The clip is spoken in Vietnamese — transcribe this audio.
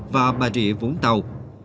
và bà rịa vũng tàu